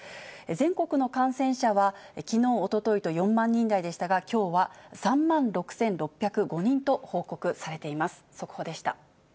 全国の感染者はきのう、おとといと４万人台でしたが、きょうは３万６６０５人と発表されています。